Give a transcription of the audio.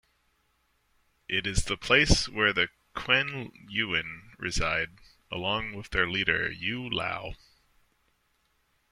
It is the place where the Kuen-Yuin reside, along with their leader, Yue-Laou.